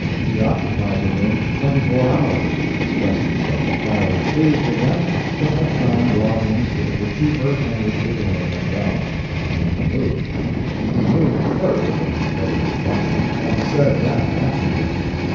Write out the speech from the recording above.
He occupied the rooms twenty four hours, expressed himself entirely pleased with them, but had found lodgings which were cheaper and would do him as well. And he moved. He moved first, when nobody was watching, and said that afterward.